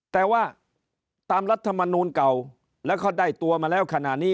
แต่ว่าตามรัฐมนูลเก่าปีแล้วก็ได้ตัวมันแล้ว